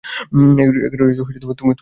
তুমি কাকে খুন করিয়েছিলে?